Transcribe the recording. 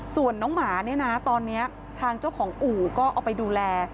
ส่วนน้องหมาเนี่ยนะตอนนี้ทางเจ้าของอู่ก็เอาไปดูแล